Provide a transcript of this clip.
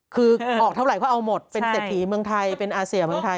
คือออกเท่าไหร่ก็เอาหมดเป็นเศรษฐีเมืองไทยเป็นอาเซียเมืองไทย